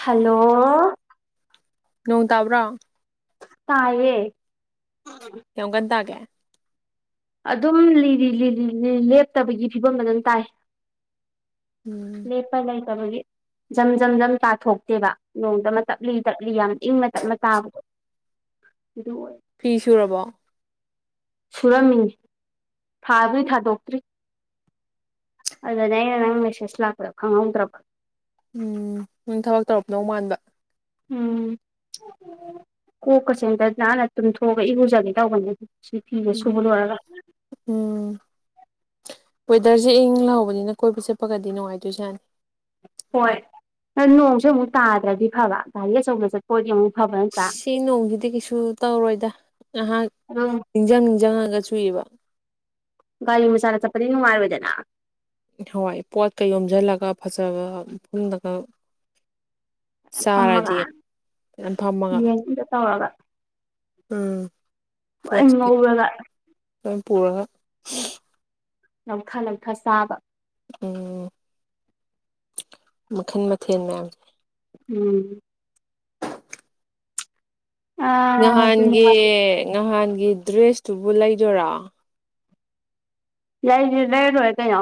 Hello ꯅꯣꯡ ꯇꯥꯕ꯭ꯔꯣ ꯇꯌꯦ ꯀꯌꯥꯝ ꯀꯟ ꯇꯒꯦ ꯑꯗꯨꯝ ꯂꯤꯔꯤ ꯂꯤ ꯂꯦꯞꯇꯕꯒꯤ ꯐꯤꯕꯝꯗ ꯑꯗꯨꯝ ꯇꯥꯏ ꯎꯝ ꯂꯦꯞꯄꯥ ꯂꯩꯇꯕꯒꯤ ꯖꯝ ꯖꯝ ꯖꯝ ꯇꯥꯊꯣꯛꯇꯦꯕ ꯅꯣꯡꯇ ꯑꯃ ꯇꯞꯂꯤ ꯇꯞꯂꯤ ꯌꯥꯝ ꯏꯪꯅ ꯇꯞꯅ ꯇꯥꯕꯗꯣ ꯑꯗꯨ ꯑꯣꯏ ꯐꯤꯁꯨꯔꯕꯣ ꯁꯨꯔꯝꯃꯤꯅꯤ ꯊꯥꯗꯤ ꯊꯥꯗꯣꯛꯇ꯭ꯔꯤ ꯑꯗꯨꯗꯤ ꯑꯩꯅ ꯅꯪ ꯃꯦꯁꯦꯁ ꯂꯥꯛꯄꯗꯣ ꯈꯪꯍꯧꯗ꯭ꯔꯕ ꯎꯝ ꯎꯝ ꯊꯕꯛ ꯇꯧꯔꯃꯗꯧ ꯃꯥꯟꯕ ꯎꯝ ꯀꯣꯛꯀꯁꯦ ꯑꯝꯇ ꯅꯥꯟꯅ ꯇꯨꯝꯊꯣꯛꯑꯒ ꯏꯔꯨꯖꯒꯦ ꯇꯧꯕꯅꯦ ꯁꯤ ꯐꯤꯁꯦ ꯁꯨꯕ ꯎꯝ ꯂꯣꯏꯔꯒ ꯎꯝ ꯋꯦꯗꯔꯁꯦ ꯏꯪ ꯂꯍꯧꯕꯅꯤꯅ ꯀꯣꯏꯕ ꯆꯠꯄꯒꯗꯤ ꯅꯨꯡꯉꯥꯏꯗꯣꯏꯖꯥꯅꯤ ꯍꯣꯏ ꯅꯪ ꯅꯣꯡꯁꯨ ꯑꯃꯨꯛ ꯇꯥꯗ꯭ꯔꯗꯤ ꯐꯕ ꯒꯥꯔꯤ ꯑꯆꯧꯕ ꯆꯠꯄꯗꯤ ꯑꯃꯨꯛ ꯐꯕꯅꯤ ꯁꯤ ꯅꯣꯡꯒꯤꯗꯤ ꯀꯩꯁꯨ ꯇꯧꯔꯣꯏꯗ ꯉꯍꯥꯛ ꯑꯗꯨꯝ ꯅꯤꯡꯁꯤꯡ ꯅꯤꯡꯁꯤꯡꯉꯒ ꯆꯨꯏꯕ ꯒꯥꯔꯤ ꯃꯆꯗ ꯆꯠꯄꯗꯤ ꯅꯨꯡꯉꯥꯏꯔꯣꯏꯗꯅ ꯍꯋꯥꯏ ꯄꯣꯠꯀ ꯌꯣꯝꯁꯤꯜꯂꯒ ꯐꯖꯕ ꯃꯐꯝꯗꯒ ꯆꯔꯗꯤ ꯗꯥꯖꯅꯥ ꯐꯝꯃꯒꯥ ꯆꯠꯇꯋꯥꯒ ꯎꯝ ꯂꯣꯏ ꯄꯣꯠꯁꯤ ꯉꯧꯔꯒ ꯂꯣꯏ ꯄꯨꯔꯒ ꯅꯃꯊꯥ ꯅꯝꯊꯥ ꯆꯥꯕꯥ ꯎꯝ ꯃꯈꯜ ꯃꯊꯦꯜ ꯃꯌꯥꯝꯁꯦ ꯎꯝ ꯑꯥ ꯑꯗꯨ ꯉꯍꯥꯟꯒꯤ ꯅꯨꯡꯉꯥꯏ ꯅꯍꯥꯟꯒꯤ ꯗ꯭ꯔꯦꯁꯇꯨꯕꯨ ꯂꯩꯗꯣꯏꯔꯥ ꯂꯩꯗꯔ꯭ꯤ ꯂꯩꯔ ꯂꯣꯏꯔꯦ ꯀꯩꯅꯣ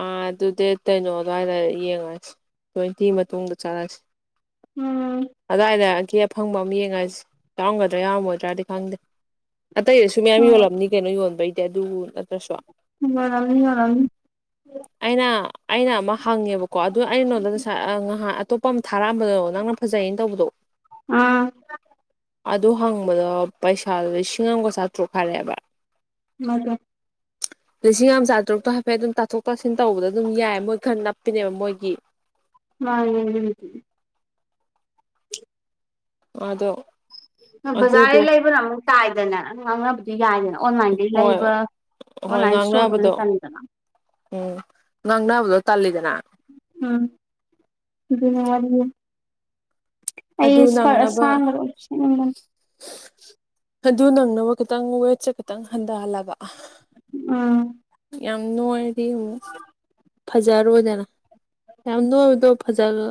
ꯑꯥ ꯑꯗꯨ ꯗ ꯀꯩꯅꯣ ꯑꯗꯨꯋꯥꯏꯗ ꯌꯦꯡꯉꯁꯤ ꯇ꯭ꯋꯦꯟꯇꯤ ꯃꯇꯨꯡꯗ ꯆꯠꯂꯁꯤ ꯎꯝ ꯑꯗꯨꯏꯗ ꯀ ꯑꯐꯪꯕ ꯑꯃ ꯌꯦꯡꯉꯁꯤ ꯌꯥꯎꯔꯝꯒꯗ꯭ꯔꯥ ꯌꯥꯔꯝꯃꯣꯏꯗ꯭ꯔꯗꯤ ꯈꯪꯗꯦ ꯑꯇꯩ ꯑꯁꯨ ꯃꯌꯥꯝ ꯍꯣꯏ ꯌꯣꯜꯂꯝꯕꯅꯤ ꯀꯩꯅꯣ ꯌꯣꯟꯕꯩꯗꯤ ꯑꯗꯨꯕꯨ ꯅꯠꯇ꯭ꯔꯁꯨ ꯌꯣꯂꯝꯅꯤ ꯌꯣꯂꯝꯅꯤ ꯑꯩꯅ ꯑꯩꯅ ꯑꯃ ꯍꯪꯉꯦꯕꯀꯣ ꯑꯗꯨ ꯑꯩꯩꯅꯣꯟꯗ ꯉꯁꯥꯏ ꯉꯍꯥꯟ ꯑꯇꯣꯞꯄ ꯑꯃ ꯊꯥꯔꯛꯑꯝꯕꯗꯣ ꯅꯪꯅ ꯐꯖꯌꯦꯩꯅ ꯇꯧꯕꯗꯣ ꯎꯝ ꯑꯗꯨ ꯍꯪꯕꯗꯣ ꯄꯩꯁꯥꯗꯣ ꯂꯤꯁꯤꯡ ꯑꯃꯒ ꯆꯥꯇ꯭ꯔꯨꯛ ꯍꯥꯏꯔꯛꯑꯦꯕ [unintelligible] ꯂꯤꯁꯤꯡ ꯑꯃ ꯆꯥꯇꯔꯨꯛꯇꯣ ꯍꯥꯏꯐꯦꯠ ꯑꯗꯨꯝ ꯇꯥꯊꯣꯛ ꯇꯥꯁꯤꯟ ꯇꯧꯕꯗ ꯑꯗꯨꯝ ꯌꯥꯏ ꯃꯣꯏ ꯈꯔ ꯅꯞꯄꯤꯅꯦꯕ ꯃꯣꯏꯒꯤ [unintelligible] ꯑꯗꯣ ꯪ ꯑꯗꯨꯗꯣ ꯕꯖꯥꯔꯗꯩ ꯂꯩꯕꯅ ꯑꯃꯨꯛ ꯇꯥꯏꯗꯅ ꯅꯪ ꯉꯥꯡꯅꯕꯗꯤ ꯌꯥꯏꯗꯅ ꯑꯣꯟꯂꯥꯏꯟꯗꯩ ꯍꯣꯏ ꯂꯩꯕ ꯍꯣꯏ ꯑꯣꯟꯂꯥꯏꯟ ꯁꯇꯣꯔꯗꯗꯤ ꯉꯥꯡꯅꯕꯗꯣ ꯆꯅꯤꯗꯅ ꯎꯝ ꯉꯥꯡꯅꯕꯗꯣ ꯇꯜꯂꯤꯗꯅ ꯎꯝ ꯃ ꯑꯩ ꯑꯗꯨ ꯁ ꯅꯪꯅꯕ ꯁꯥꯡꯔꯣ ꯑꯗꯨ ꯅꯪꯅꯕ ꯈꯤꯇꯪ ꯋꯦꯠꯁꯦ ꯈꯤꯇꯪ ꯍꯟꯊꯍꯜꯂꯕ ꯎꯝ ꯌꯥꯝ ꯅꫭꯏꯔꯗꯤ ꯑꯃꯨꯛ ꯐꯖꯔꯣꯏꯗꯅ ꯌꯥꯝ ꯅꫭꯏꯕꯗꯣ ꯐꯖꯔ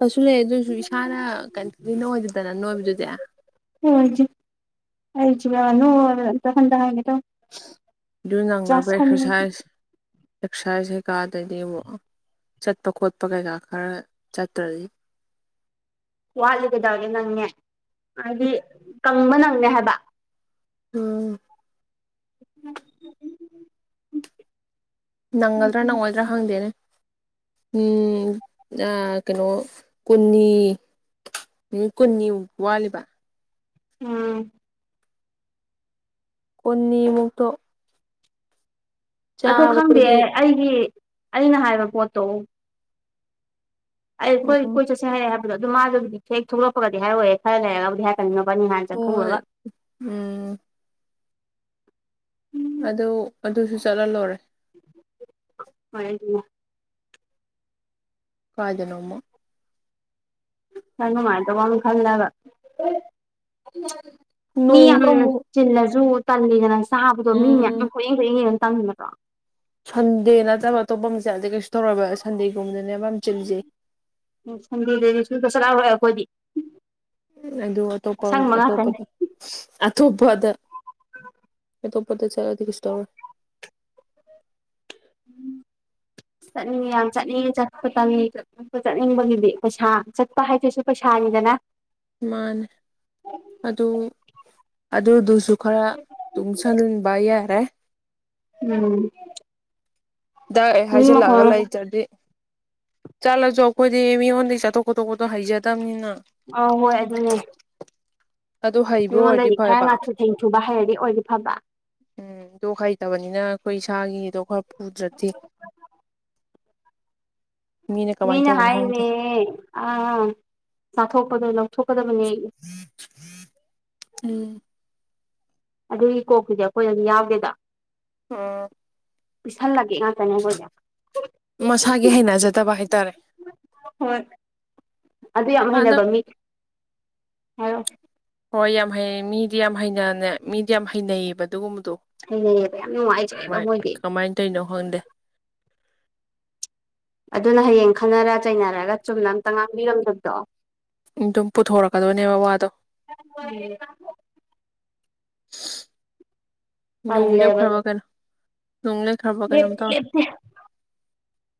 ꯗꯁꯨ ꯂꯩ ꯑꯗꯨꯏꯁꯨ ꯏꯁꯥꯅ ꯀꯟꯐꯤꯗꯦꯟ ꯑꫭꯏꯗꯦꯗꯅ ꯅꯣꯏꯕꯗꯨꯗꯤ [unintelligible] ꯑꯩꯖꯤꯅ ꯅꫭꯏꯕꯗ ꯑꯃꯇ ꯍꯟꯗꯍꯟꯒꯦ ꯇꯧꯕꯅꯤ ꯑꯗꯨ ꯅꯪꯅꯕ ꯑꯦꯛꯁꯔꯁꯥꯏꯁ ꯑꯦꯛꯁꯔꯁꯥꯏꯖ ꯀꯩꯀꯥꯗꯗꯤ ꯆꯠꯄ ꯈꯣꯠꯄ ꯀꯩꯀꯥ ꯈꯔ ꯆꯠꯇ꯭ꯔꯗꯤ ꯋꯥꯠꯂꯤ ꯀꯩꯗꯧꯔꯗꯤ ꯅꯪꯅꯦ ꯍꯥꯏꯗꯤ ꯀꯪꯕ ꯅꯪꯅꯦ ꯍꯥꯏꯕ ꯎꯝ [inaudible] ꯅꯪꯒꯗ꯭ꯔ ꯅꯪꯉꯣꯏꯗ꯭ꯔ ꯈꯪꯗꯦꯅꯦ꯫ ꯎꯝ ꯑ ꯀꯩꯅꯣ ꯀꯨꯟꯅꯤ ꯅꯨꯃꯤꯠ ꯀꯨꯟꯅꯤ ꯋꯥꯠꯂꯤꯕ ꯎꯝ ꯀꯨꯟꯅꯤꯃꯨꯛꯇꯣ ꯑꯗꫭ ꯈꯪꯗꯦ ꯆꯥꯕꯗꯨꯗꯤ ꯑꯩꯒꯤ ꯑꯩꯅ ꯍꯥꯏꯕ ꯄꯣꯠꯇꯣ ꯑꯩꯈꯣꯏ ꯎꯝ ꯀꯣꯏ ꯆꯠꯁꯦ ꯍꯥꯏꯔꯦ ꯍꯥꯏꯕꯗꯣ ꯑꯗꯨ ꯃꯥꯗꯨꯕꯨꯗꯤ ꯍꯦꯛ ꯊꯣꯛꯂꯛꯄꯒꯗꯤ ꯍꯥꯏꯔꯣꯏꯌꯦ ꯈꯔ ꯂꯩꯔꯒꯕꯨꯗꯤ ꯍꯥꯏ ꯅꯕꯅꯤ ꯍꯥꯟ ꯆꯠꯊꯣꯛꯎꯔꯒ ꯍꯣꯏ ꯎꯝ ꯑꯗꯨ ꯑꯗꯨꯁꯨ ꯆꯠꯂ ꯂꫭꯔꯦ [inaudible] ꯀꯥꯏꯗꯅꯣꯃ ꯏꯁꯥ ꯅꯨꯉꯥꯏꯇꯕꯃ ꯈꯜꯂꯒ ꯃꯤ ꯌꯥꯝ ꯅꯣꯡꯗ ꯑꯃꯨꯛ ꯆꯤꯜꯂꯁꯨ ꯇꯜꯂꯤꯗꯅ ꯆꯥꯕꯗꯣ ꯃꯤ ꯃꯌꯥꯝ ꯎꯝ ꯀꫭꯌꯦꯡ ꯀꫭꯌꯦꯡ ꯌꯦꯡꯉ ꯇꯟꯗ꯭ꯔꯣ ꯁꯟꯗꯦ ꯅꯠꯇꯕ ꯑꯇꯣꯞꯄꯝ ꯆꯠꯂꯗꯤ ꯀꯩꯁꯨ ꯇꯧꯔꫭꯏꯕ ꯁꯟꯗꯦꯒꯨꯝꯕꯗꯅꯦꯕ ꯌꯥꯝ ꯆꯤꯜꯂꯤꯁꯦ [inaudible] ꯑꯈꯣꯏꯗꯤ ꯑꯗꯨ ꯑꯇꯣꯞꯄꯝ ꯑꯇꯣꯞꯄꯗ ꯑꯊꯣꯞꯄꯗ ꯑꯇꯣꯞꯄꯗ ꯆꯠꯂꯗꯤ ꯀꯩꯁꯨꯇꯧꯔꫭꯏ [inaudible] ꯆꯠꯅꯤꯉꯦ ꯌꯥꯝ ꯆꯅꯤꯉꯤ ꯆꯠꯄ ꯇꯅꯤ ꯄ ꯆꯠꯅꯤꯡꯕꯒꯤꯗꯤ ꯄꯩꯁꯥ ꯆꯠꯄ ꯍꯥꯏꯁꯤꯁꯨ ꯄꯩꯁꯥꯅꯤꯗꯅ ꯃꯥꯅꯦ ꯑꯗꯨ ꯑꯗꯨꯗꯨꯁꯨ ꯈꯔ ꯇꯨꯡꯁꯟꯕ ꯌꯥꯔꯦ ꯎꯝ ꯗꯛ ꯍꯦꯛ ꯃꯤ ꯃꯈꯣꯟ ꯍꯥꯏꯖꯤꯜꯂꯛꯑꯒ ꯂꯩꯇ꯭ꯔꯗꯤ ꯆꯠꯂꯁꯨ ꯑꯈꯣꯏꯗꯤ ꯃꯤꯉꯣꯟꯗꯒꯤ ꯆꯥꯊꯣꯛ ꯈꯣꯠꯇꯣꯛꯄꯗꫭ ꯍꯩꯖꯗꯕꯅꯤꯅ ꯑꯧ ꯍꯣꯏ ꯑꯗꯨꯅꯦ ꯑꯗꯨ ꯍꯩꯕ ꯑꯣꯏꯔꯗꯤ ꯃꯤꯉꯣꯟꯗꯒꯤ ꯈꯔ ꯐꯕ ꯉꯥꯊꯨ ꯊꯦꯡꯊꯨꯕ ꯍꯩꯔꯗꯤ ꯑꯣꯏꯗꯤ ꯐꯕ ꯎꯝ ꯑꯗꯨ ꯍꯩꯇꯕꯅꯤꯅ ꯑꯈꯣꯏ ꯏꯁꯥꯒꯤꯗꯣ ꯈꯔ ꯄꯨꯗ꯭ꯔꯗꯤ ꯀꯃꯥꯏꯅ ꯃꯤꯅ ꯇꯧꯕꯅꯣ ꯈꯪꯗꯦ ꯍꯥꯏꯔꯤꯅꯦ ꯑ ꯆꯥꯊꯣꯛꯄꯗꯣ ꯂꯧꯊꯣꯛꯀꯗꯕꯅꯦ ꯎꯝ ꯑꯗꯨꯒꯤ ꯀꯣꯛꯇꯨꯗꯤ ꯑꯈꯣꯏꯗꯗꯤ ꯌꯥꯎꯗꯦꯗꫭ ꯎꯝ ꯄꯤꯁꯜꯂꯒꯦ ꯉꯥꯛꯇꯅꯦ ꯑꯈꯣꯏꯗꯤ ꯃꯁꯥꯒꯤ ꯍꯩꯅꯖꯗꯕ ꯍꯥꯏꯇꯥꯔꯦ ꯍꯣꯏ ꯑꯗꯨ ꯌꯥꯝ ꯑꯗ ꯍꯩꯅꯕ ꯃꯤ ꯍꯥꯏꯔꯛꯑꫭ ꯍꯣꯏ ꯌꯥꯝ ꯍꯩ ꯃꯤꯗꯤ ꯌꯥꯝ ꯍꯩꯅꯅꯦ ꯃꯤꯗꯤ ꯌꯥꯝ ꯍꯩꯅꯩꯌꯦꯕ ꯑꯗꯨꯒꯨꯝꯕꯗꯣ ꯍꯩꯅꯩꯌꯦꯕ ꯌꯥꯝ ꯅꯨꯡꯉꯥꯏꯖꯩꯌꯦꯕ ꯃꯣꯏꯗꯤ ꯀꯩꯅꯣ ꯍꫭꯟꯗꯦ ꯑꯗꯨꯅ ꯍꯌꯦꯡ ꯈꯟꯅꯔ ꯆꯩꯅꯔꯒ ꯆꯨꯝꯅ ꯑꯝꯇ ꯉꯥꯡꯕꯤꯔꯝꯗꯕꯗꯣ ꯑꯗꯨꯝ ꯄꯨꯊꯣꯔꯛꯀꯗꯣꯏꯅꯦꯕ ꯋꯥꯗꯣ ꯎꯝ ꯌꯣꯡꯣꯡꯂꯤ ꯎ ꯇꯜꯂꯦꯕ ꯈꯔꯕꯒꯔ ꯅꯨꯡ ꯂꯩꯈ꯭ꯔꯕꯣ ꯀꯩꯅꯣꯝ ꯂꯦꯞꯇꯤ ꯇꯧꯔꯦ ꯂꯦꯞꯇꯦ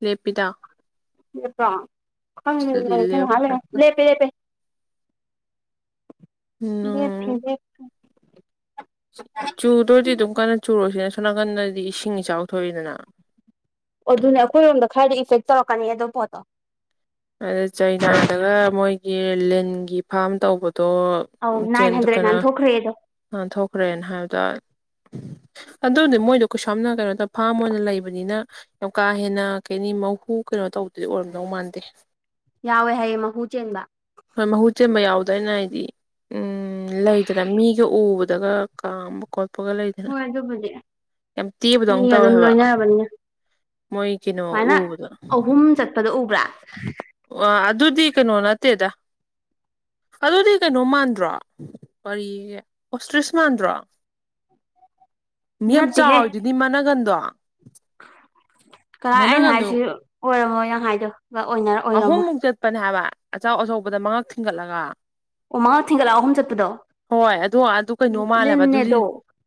ꯂꯦꯞꯄꯤꯗ ꯁꯤꯗꯗꯤ ꯂꯦꯞꯈ꯭ꯔꯦ [inaudible] ꯂꯦꯞꯄꯦ ꯂꯦꯞꯄꯦ [inaudible] ꯆꯨꯗꯨꯏꯗꯤ ꯑꯗꯨꯝ ꯀꯟꯅ ꯆꯨꯔꫭꯁꯤꯅꯦ ꯁꯣꯝ ꯅꯥꯀꯟꯗꯗꯤ ꯏꯁꯤꯡ ꯏꯆꯥꯎ ꯊꯣꯛꯏꯗꯅ ꯑꯣ ꯑꯗꯨꯅ ꯑꯩꯈꯣꯏꯔꯣꯝꯗ ꯈꯔꯗꯤ ꯏꯐꯦꯛ ꯇꯧꯔꯛꯀꯅꯤ ꯑꯗꯨ ꯄꯣꯠꯇꯣ ꯑꯗ ꯆꯩꯅꯥꯗꯒ ꯃꯣꯏꯒꯤ ꯂꯤꯟꯒꯤ ꯐꯥꯔꯝ ꯇꯧꯕꯗꯣ ꯆꯦꯟꯗꯨ ꯀꯅꯥ ꯈꯩꯗꯣ ꯑ ꯊꯣꯛꯈ꯭ꯔꯦꯅ ꯍꯥꯏꯕꯗ ꯑꯗꯨꯗꯤ ꯃꯣꯏꯗꯣ ꯀꯩꯁꯝꯅ ꯀꯩꯅꯣ ꯇ ꯐꯥꯝ ꯑꯣꯏꯅ ꯂꯩꯕꯅꯤꯅ ꯌꯥꯝ ꯀꯥ ꯍꯦꯟꯅ ꯀꯩꯅꯤ ꯃꯍꯨ ꯀꯩꯅꯣ ꯇꯧꯕꯗꯨꯗꯤ ꯑꯣꯏꯔꯝꯗꯧ ꯃꯥꯟꯗꯦ ꯌꯥꯎꯋꯦ ꯍꯥꯏꯌꯦꯦ ꯃꯍꯨ ꯆꯦꯟꯕ ꯍꯣꯏ ꯃꯍꯨ ꯆꯦꯟꯕ ꯌꯥꯎꯗꯣꯏꯅ ꯍꯥꯏꯗꯤ ꯎꯝ ꯂꯩꯗꯅ ꯃꯤ ꯌ ꯎꯕꯗꯒ ꯀꯥꯝꯕ ꯀꯣꯠꯄꯒ ꯂꯩꯗꯅ ꯍꯣꯏ ꯑꯗꯨꯕꯨꯗꯤ ꯌꯥꯝ ꯇꯤꯕꯗꯧ ꯃꯤꯒ ꯑꯗꯨꯝ ꯇꯧꯋꯦꯕ ꯂꯣꯏꯅꯔꯕꯅꯤꯅ ꯃꯣꯏꯀꯤꯅꯣ ꯎꯎꯗ ꯐꯗꯣ ꯎꯕ꯭ꯔꯥ ꯋꯥ ꯑꯗꯨꯗꯤ ꯀꯩꯅꯣ ꯅꯠꯇꯦꯗ ꯑꯗꯨꯗꯤ ꯀꯩꯅꯣ ꯃꯥꯟꯗ꯭ꯔꯣ ꯋꯥꯔꯤ ꯑꯣꯁꯇ꯭ꯔꯤꯁ ꯃꯥꯟꯗ꯭ꯔꯣ ꯃꯤ ꯌꯥꯝ ꯅꯠꯇꯦꯍꯦ ꯆꯥꯎꯋꯤꯗꯨꯗꯤ ꯃꯅꯒꯟꯗꯣ ꯀꯥꯏ ꯑꯩꯅ ꯃꯅꯒꯟꯗꯣ ꯍꯥꯏꯁꯤ ꯑꯣꯏꯔꯝꯃꯣꯏ ꯅ ꯍꯥꯏꯗꯨꯣꯒ ꯑꯣꯏꯅꯔꯛ ꯑꯍꯨꯝꯃꯨꯛ ꯆꯠꯄꯅꯦ ꯍꯥꯏꯕ ꯑꯆꯧ ꯑꯆꯧꯕꯗ ꯃꯉꯛ ꯊꯤꯡꯒꯠꯂꯒ ꯑꯣ ꯃꯉꯥ ꯊꯤꯡꯒꯠꯂꯛ ꯑꯍꯨꯝ ꯆꯠꯄꯗꯣ ꯍꯣꯏ ꯑꯗꯨꯣ ꯑꯗꯨ ꯀꯩꯅꯣ ꯃꯥꯜꯂꯦꯕ ꯑꯗꯨꯗꯤ ꯂꯤꯟꯅꯦꯗꯣ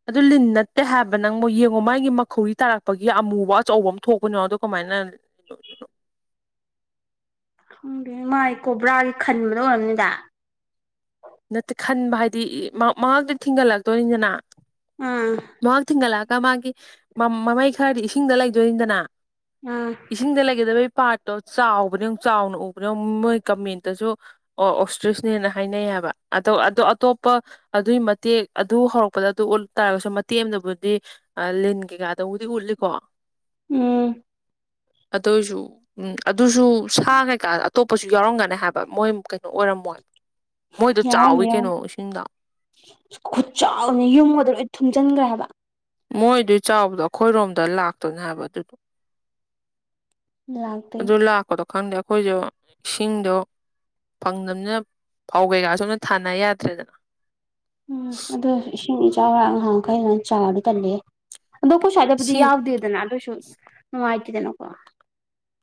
ꯑꯗꯨ ꯂꯤꯟ ꯅꯠꯇꯦ ꯍꯥꯏꯕ ꯅꯪ ꯌꯦꯡꯉꯣ ꯃꯥꯒꯤ ꯃꯈꯧꯔꯤ ꯇꯥꯔꯛꯄꯒꯤ ꯑꯃꯨꯕ ꯑꯆꯧꯕ ꯑꯃ ꯊꯣꯛꯄꯅꯤꯣ ꯑꯗꯣ ꯍꯃꯥꯏꯅ ꯎꯝ ꯃꯥꯥꯏꯒꯤ ꯀꯧꯕꯣꯕ꯭ꯔꯥꯒꯤ ꯈꯟꯕꯗ ꯑꯣꯏꯔꯕꯝꯅꯤꯗ ꯅꯠꯇꯦ ꯈꯟꯕ ꯍꯥꯏꯗꯤ ꯃꯇ ꯊꯤꯡꯒꯠꯂꯛꯇꯣꯏꯅꯤꯗꯅ ꯑꯥ ꯃ ꯊꯤꯡꯒꯠꯂꯛꯑꯒ ꯃꯥꯒꯤ ꯃꯃꯩ ꯈꯔꯗꯤ ꯏꯁꯤꯡꯗ ꯂꯩꯗꯣꯏꯅꯤꯗꯅ ꯑꯥ ꯏꯁꯤꯡꯤꯡꯗ ꯂꯩꯒꯦꯗꯕꯩ ꯄꯥꯔꯠꯇꯣ ꯆꯥꯎꯕꯅꯦ ꯆꯥꯎꯅ ꯎꯕꯅꯦ ꯃꯣꯏ ꯀꯃꯦꯟꯇꯁꯨ ꯑꯣ ꯑꯣꯁꯇ꯭ꯔꯤꯁꯅꯦꯅ ꯍꯥꯏꯅꯩꯌꯦꯕ ꯑꯗꯣ ꯑꯗꯣ ꯑꯇꯣꯞꯄ ꯑꯗꯨꯏ ꯃꯇꯦꯛ ꯑꯗꯨ ꯍꯧꯔꯛꯄꯗ ꯑꯗꯨ ꯎꯠꯂ ꯇꯥꯔꯒꯁꯨ ꯇꯦꯝꯅꯕꯨꯗꯤ ꯂꯤꯟ ꯀꯩꯀꯥꯗꯕꯨꯗꯤ ꯎꯠꯂꯤꯀꯣ ꯎꯝ ꯑꯗꯨꯏꯁꯨ ꯎꯝ ꯑꯗꯨꯁꯨ ꯁꯥ ꯀꯩꯀꯥ ꯑꯇꯣꯞꯄꯁꯨ ꯌꯥꯎꯔꯝꯒꯅꯤ ꯍꯥꯏꯕ ꯃꯣꯏ ꯑꯣꯏꯔꯝꯃꯣꯏꯕ ꯌꯥꯎꯔꯅꯦ ꯌꯥꯎꯔ ꯈꯨꯠ ꯆꯥꯎꯅꯤ ꯌꯨꯝꯉꯗ ꯂꯣꯏ ꯊꯨꯝꯖꯤꯟꯈ꯭ꯔꯦ ꯍꯥꯏꯕ ꯃꯣꯏꯗꯨ ꯆꯥꯎꯕꯗꯣ ꯑꯩꯈꯣꯏꯔꯣꯝꯗ ꯂꯥꯛꯇꯧꯅꯦ ꯍꯥꯏꯕ ꯑꯗꯨꯗꯣ ꯂꯥꯛꯇꯣꯏꯅꯤ ꯑꯗꯨ ꯂꯥꯛꯄꯗꯣ ꯈꯪꯗꯦ ꯑꯩꯈꯣꯏꯁꯨ ꯏꯁꯤꯡꯗꯣ ꯐꯪꯗꯕꯅꯤꯅ ꯐꯥꯎ ꯀꯩꯀꯥ ꯁꯣꯝꯅ ꯊꯥꯅ ꯌꯥꯗ꯭ꯔꯦꯗꯅ ꯎꯝ ꯑꯗꯨꯗ ꯏꯁꯤꯡ ꯏꯆꯥꯎꯥꯡ ꯉꯍꯥꯡꯈꯩ ꯉ ꯆꯥꯔꯗꯤ ꯇꯜꯂꯦ ꯑꯗꯣ ꯀꯣꯏ ꯁ꯭ꯋꯥꯏꯗꯕꯨꯗꯤ ꯏꯁꯤꯡ ꯌꯥꯎꯗꯦꯗꯅ ꯑꯗꯨꯁꯨ ꯅꯨꯡꯉꯥꯏꯇꯦꯗꯅꯀꯣ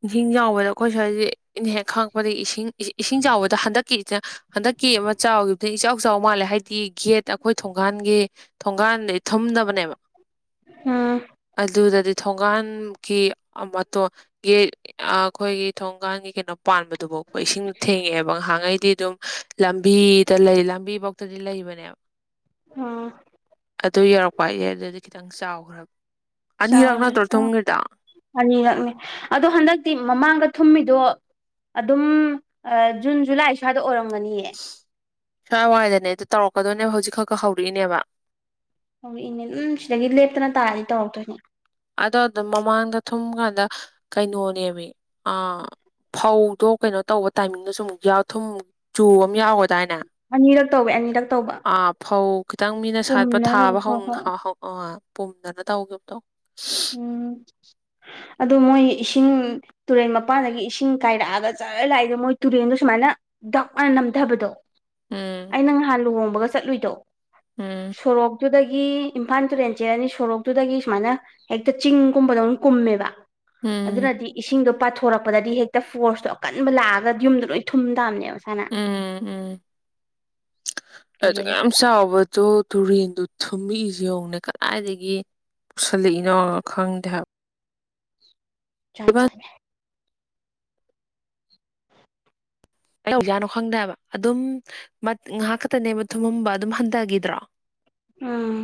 ꯏꯁꯤꯡ ꯆꯥꯎꯕꯗ ꯑꯩꯈꯣꯏ ꯁ꯭ꯋꯥꯏꯁꯦ ꯏ ꯍꯦꯛ ꯈꯪꯉꯛꯄꯗꯒꯤ ꯏꯁꯤꯡ ꯏꯁꯤꯡ ꯆꯥꯎꯕꯗ ꯍꯟꯗꯛꯀꯤ ꯍꯟꯗꯛꯀꯤ ꯑꯃ ꯆꯥꯎꯈꯤꯕꯗꯨꯅ ꯏꯆꯥꯎ ꯆꯥꯎ ꯃꯥꯜꯂꯦ ꯍꯥꯏꯗꯤ ꯒꯦꯠ ꯑꯩꯈꯣꯏ ꯊꯣꯡꯒꯥꯟꯒꯤ ꯊꯣꯡꯒꯥꯟꯗꯩ ꯊꯨꯝꯗꯕꯅꯦꯕ ꯎꯝ ꯑꯗꯨꯗꯗꯤ ꯊꯣꯡꯒꯥꯟꯒꯤ ꯃꯇꯣ ꯒꯤ ꯑꯩꯈꯣꯏꯒꯤ ꯊꯣꯡꯒꯥꯟꯒꯤ ꯀꯩꯅꯣ ꯄꯥꯟꯕꯗꯨꯐꯥꯎ ꯑꯩꯈꯣꯏ ꯏꯁꯤꯡꯗ ꯊꯦꯡꯉꯛꯑꯦꯕ ꯉꯥꯏꯍꯉꯩꯗꯤ ꯑꯗꯨꯝ ꯂꯝꯕꯤꯗ ꯂꯩ ꯂꯝꯕꯤ ꯐꯧꯇꯗꯤ ꯂꯩꯕꯅꯦꯕ ꯑꯥ ꯑꯗꯨ ꯌꯧꯔꯛꯄ ꯍꯥꯏꯁꯦ ꯑꯗꯨꯗꯤ ꯈꯤꯇꯪ ꯆꯥꯎꯈ꯭ꯔꯕ ꯑꯅꯤꯔꯛ ꯅꯠꯇ꯭ꯔꯣ ꯆꯥꯎ ꯊꯨꯝꯈ꯭ꯔꯤꯗꯣ ꯑꯅꯤꯉꯛꯅꯤ ꯑꯗꯣ ꯍꯟꯗꯛꯇꯤ ꯃꯃꯥꯡꯗ ꯊꯨꯝꯃꯤꯗꯣ ꯑꯗꯨꯝ ꯖꯨꯟ ꯖꯨꯂꯥꯏ ꯁ꯭ꯋꯥꯏꯗ ꯑꯣꯏꯔꯝꯒꯅꯤ ꯁ꯭ꯋꯥꯏ ꯋꯥꯏꯗꯅꯦꯗ ꯇꯧꯔꯛꯀꯗꯣꯏꯅꯦꯕ ꯍꯧꯖꯤꯛ ꯈꯛ ꯈ ꯍꯧꯔꯛꯏꯅꯦꯕ ꯍꯧꯛ ꯏꯅꯦ ꯑꯗꯨꯝ ꯁꯤꯗꯒꯤ ꯂꯦꯞꯇꯅ ꯇꯥꯔꯅꯤ ꯇꯧꯔꯛꯇꯣꯏꯅꯦ ꯑꯗꯣ ꯑꯗꯨꯝ ꯃꯃꯥꯡꯗ ꯊꯨꯝꯀꯥꯟꯗ ꯀꯩꯅꯣꯅꯦꯃꯤ ꯑꯥ ꯐꯧꯗꯣ ꯀꯩꯅꯣ ꯇꯧꯕ ꯇꯥꯏꯃꯤꯡꯗꯁꯨ ꯑꯃꯨꯛ ꯊꯨꯝ ꯆꯨ ꯑꯃ ꯌꯥꯎꯒꯗꯥꯏꯅꯦ ꯑꯅꯤꯔꯛ ꯇꯧꯋꯦ ꯑꯅꯤꯔꯛ ꯇꯧꯕ ꯑ ꯐꯧ ꯈꯤꯇꯪ ꯃꯤꯅ ꯁꯥꯠꯄ ꯊꯥꯕ ꯄꯨꯝꯅꯔꯕꯗꯣ ꯍꯧ ꯍꯣꯏ ꯍꯣꯏ ꯑ ꯄꯨꯝꯗꯅ ꯇꯧꯈꯤꯕꯇꯣ ꯎꯝ ꯑꯗꯨꯣ ꯃꯣꯏ ꯏꯁꯤꯡ ꯇꯨꯔꯦꯟ ꯃꯄꯥꯟꯗꯒꯤ ꯏꯁꯤꯡ ꯀꯥꯏꯔꯛꯑꯒ ꯆꯥꯔ ꯂꯥꯛꯏꯗꯣ ꯃꯣꯏ ꯇꯨꯔꯦꯜꯗꯣ ꯁꯨꯃꯥꯏꯅ ꯗꯎꯅꯥꯅ ꯅꯝꯊꯕꯗꯣ ꯎꯝ ꯑꯩꯅ ꯉꯍꯥꯟ ꯂꯨꯍꯣꯡꯕꯒ ꯆꯠꯂꯨꯏꯗꯣ ꯎꯝ ꯁꯣꯔꯣꯛ ꯑꯗꯨꯨꯗꯒꯤ ꯏꯝꯐꯥꯜ ꯇꯨꯔꯦꯟ ꯆꯦ ꯑꯅꯤ ꯁꯣꯔꯣꯛꯇꯨꯗꯒꯤ ꯁꯨꯃꯥꯏꯅ ꯍꯦꯛꯇ ꯆꯤꯡꯒꯨꯝꯕꯗ ꯀꯨꯝꯃꯦꯕ ꯎꯝ ꯑꯗꯨ꯭ꯔꯗꯤ ꯏꯁꯤꯡꯗꯣ ꯄꯥꯊꯣꯔꯛꯄꯗꯗꯤ ꯍꯦꯛꯇ ꯐꯣꯔꯁꯇꯣ ꯑꯀꯟꯕ ꯂꯥꯛꯑꯒ ꯌꯨꯝꯗꯣ ꯂꯣꯏ ꯊꯨꯝ ꯇꯕꯅꯦꯕ ꯎꯝ ꯎꯝ ꯍꯁꯨ ꯀ ꯀꯤꯖꯩ ꯆꯥꯎꯕꯗꯣ ꯇꯨꯔꯦꯟꯗꯣ ꯊꯨꯝꯃꯛꯏꯁꯤ ꯌꯦꯧꯅꯦ ꯀꯗꯥꯏꯗꯒꯤ ꯄꯨꯁꯜꯂꯛꯏꯅꯣ ꯈꯪꯗꯦ ꯍꯥꯏꯕ ꯆꯥ ꯆꯦ ꯀ ꯍꯧꯖꯥꯠꯅꯣ ꯈꯪꯗꯦꯕ ꯑꯗꯨꯝ ꯉꯥꯏꯍꯥꯛ ꯈꯛꯇꯅꯦꯕ ꯊꯨꯝꯃꯝꯕ ꯑꯗꯨꯝ ꯍꯟꯊꯈꯤꯗ꯭ꯔꯣ ꯑꯥ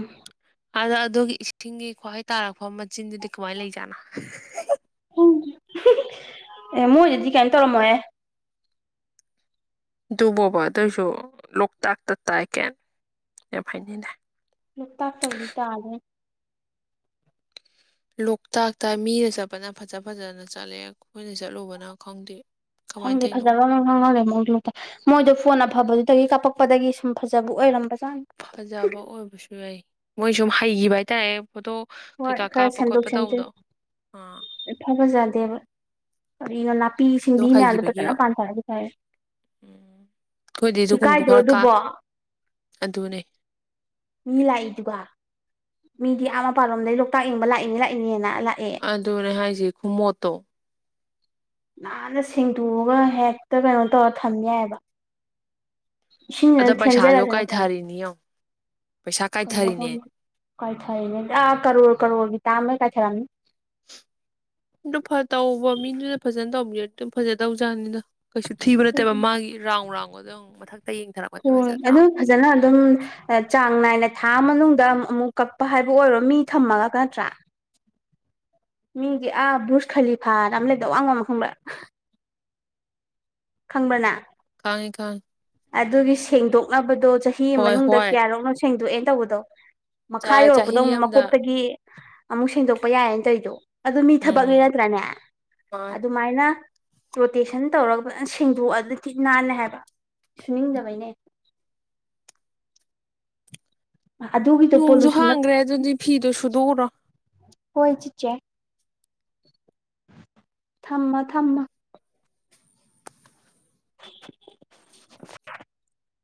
ꯑꯗ ꯑꯗꯨꯒꯤ ꯏꯁꯤꯡꯒꯤ ꯈ꯭ꯋꯥꯍꯩ ꯇꯥꯔꯛꯄ ꯃꯆꯤꯟꯗꯨꯗꯤ ꯀꯃꯥꯏꯅ ꯂꯩꯖꯥꯠꯅꯣ ꯎ ꯑꯦ ꯃꯣꯏꯗꯗꯤ ꯀꯥꯏꯝ ꯇꯧꯔꯝꯃꯣꯍꯦ ꯑꯗꯨꯐꯕ ꯑꯗꯨꯏꯁꯨ ꯂꯣꯛꯇꯥꯛꯇ ꯇꯥꯏ ꯀꯦ ꯌꯥꯝ ꯍꯥꯏꯅꯤꯅꯦ ꯂꯣꯛꯇꯥꯛ ꯇꯧꯗꯤ ꯇꯥꯔꯦ ꯂꯣꯛꯇꯥꯛꯇ ꯃꯤꯅ ꯆꯠꯄꯅ ꯐꯖ ꯐꯖꯅ ꯆꯠꯂꯦ ꯑꯩꯈꯣꯏꯅ ꯆꯠꯂꯨꯕꯅ ꯈꯪꯗꯦ ꯀꯃꯥꯏꯅ ꯍꯪꯗꯦ ꯇꯧꯅꯣ ꯐꯖꯅꯔꯦ ꯃꯣꯏ ꯂ ꯃꯣꯏꯗꯣ ꯐꯣꯟ ꯑꯐꯕꯗꯨꯗꯒꯤ ꯀꯥꯞꯄꯛꯄꯗꯒꯤ ꯁꯨꯝ ꯐꯖꯕ ꯑꯣꯏꯔꯝꯕꯖꯥꯠꯅꯤ ꯐꯖꯕ ꯑꯣꯏꯕꯁꯨ ꯌꯥꯏ ꯃꯣꯏ ꯁꯨꯝ ꯍꯩꯈꯤꯕ ꯍꯥꯏꯇꯥꯔꯦ ꯐꯣꯇꯣ ꯍꯣꯏ ꯀꯩꯀꯥ ꯈꯔ ꯀꯥꯞꯄ ꯁꯦꯝꯗꯣꯛ ꯈꯣꯠꯄ ꯁꯦꯝꯗꯦ ꯇꯧꯕꯗꯣ ꯑꯥ ꯐꯕꯖꯗꯦꯕ ꯑꯅ ꯅꯥꯄꯤ ꯑꯗꯣ ꯁꯤꯡꯕꯤ ꯃꯌꯥꯝꯗꯨꯣ ꯍꯩꯈꯤꯕꯒꯤ ꯎꯝ ꯐꯖꯅ ꯄꯥꯟꯊꯔꯒꯁꯨ ꯍꯥꯏꯔꯦ ꯑꯩꯈꯣꯏꯗꯤ ꯑꯗꯨꯒꯨꯝꯕꯗꯣ ꯏꯀꯥꯏꯗ꯭ꯔꯣ ꯈꯔ ꯀꯥ ꯑꯗꯨꯕꯣ ꯑꯗꯨꯅꯦ ꯃꯤ ꯂꯥꯛꯏꯗꯨꯒ ꯃꯤꯗꯤ ꯑꯥ ꯃꯄꯥꯥꯟꯔꯣꯝꯗꯩ ꯂꯣꯛꯇꯥꯛꯅꯤꯡꯕ ꯂꯥꯛꯏꯅꯤ ꯂꯥꯛꯏꯅꯦꯅ ꯂꯥꯛꯑꯦ ꯑꯗꯨꯅꯦ ꯍꯥꯏꯁꯤ ꯈꯨꯃꯣꯠꯇꯣ ꯅꯥꯟꯅ ꯁꯦꯡꯗꯣꯛꯑꯒ ꯍꯦꯛꯇ ꯀꯩꯅꯣ ꯇꯧꯔ ꯊꯝ ꯌꯥꯏꯑꯕ ꯑꯗ ꯏꯁꯤꯡ ꯄꯩꯁꯥꯗꯣ ꯊꯦꯡꯖꯔꯒ ꯅꯠꯇ ꯀꯥꯏꯊꯔꯤꯅꯤ ꯌꯦꯡꯉꯣ ꯄꯩꯁꯥ ꯀꯥꯏꯊꯔꯤꯅꯦ ꯀꯥꯏꯊꯔꯤꯅꯦ ꯑ ꯀꯔꯣꯔ ꯀꯔꯣꯔꯒꯤ ꯇꯝꯃꯦ ꯀꯥꯏꯊꯔꯅꯤ ꯑꯗꯨ ꯇꯧꯕ ꯃꯤꯗꯨꯅ ꯐꯖꯅ ꯇꯧꯕꯤꯔꯗꯤ ꯑꯗꯨꯝ ꯐꯖ ꯇꯧꯖꯥꯅꯤꯅ ꯀꯩꯁꯨ ꯊꯤꯕ ꯅꯠꯇꯦꯕ ꯃꯥꯒꯤ ꯔꯥꯎꯟ ꯔꯥꯎꯟꯒꯣꯗ ꯃꯊꯛꯇ ꯌꯦꯡꯊꯔꯛꯄꯅꯦꯕ ꯍꯣꯏ ꯐꯖꯗ꯭ꯔꯥ ꯑꯗꯨ ꯐꯖꯅ ꯑꯗꯨꯝ ꯆꯥꯡ ꯅꯥꯏꯅ ꯊꯥ ꯃꯅꯨꯡꯗ ꯑꯃꯨꯛ ꯀꯛꯄ ꯍꯥꯏꯕ ꯑꯣꯏꯔꯣ ꯃꯤ ꯊꯝꯃꯒ ꯅꯠꯇ꯭ꯔꯥ ꯃꯤꯒꯤ ꯑꯥ ꯕꯨꯖ ꯈꯂꯤꯐꯥꯅ ꯑꯃ ꯂꯩꯗꯕ ꯋꯥꯡꯕ ꯈꯪꯕ꯭ꯔꯥ ꯈꯪꯕꯅ ꯈꯥꯉ ꯈꯉ ꯑꯗꯨꯒꯤ ꯁꯦꯡꯗꯣꯛꯅꯕꯗꯣ ꯆꯍꯤ ꯍꯣꯏ ꯃꯅꯨꯡꯗ ꯍꯣꯏ ꯀꯌꯥꯔꯛꯅꯣ ꯁꯦꯡꯗꯣꯛꯑꯦꯅ ꯇꯧꯕꯗꯣ ꯃꯈꯥ ꯆ- ꯌꯧꯔꯛꯄꯗ ꯆꯍꯤ ꯑꯃꯨꯛ ꯑꯃꯗ ꯃꯀꯣꯛꯇꯒꯤ ꯑꯃꯨꯛ ꯁꯦꯡꯗꯣꯛꯄ ꯌꯥꯏꯌꯦꯅ ꯇꯧꯔꯤꯗꯣ ꯑꯗꯨ ꯃꯤ ꯊꯕꯛꯀꯤ ꯎꯝ ꯅꯠꯇ꯭ꯔꯥꯅꯦ ꯃꯥꯅꯦ ꯑꯗꯨ ꯁꯨꯃꯥꯏꯅ ꯔꯣꯇꯦꯁꯟ ꯇꯧꯔꯒꯅ ꯁꯦꯡꯗꯣꯛꯑ ꯑꯗꯨꯗꯤꯤ ꯅꯥꯟꯅꯦ ꯍꯥꯏꯕ ꯁꯨꯅꯤꯡꯗꯕꯩꯅꯦ ꯑꯗꯨꯒꯤꯗꯣ ꯅꯣꯡꯁꯨ ꯄꯣꯂꯨꯁꯟꯅ ꯍꯥꯡꯈ꯭ꯔꯦ ꯑꯗꯨꯗꯤ ꯐꯤꯗꯣ ꯁꯨꯗꯣꯛꯎꯔꯣ ꯍꯣꯏ ꯆꯤꯆꯦ ꯊꯝꯃ ꯊꯝꯃ [inaudible]